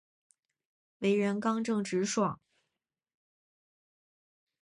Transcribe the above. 为人刚正直爽。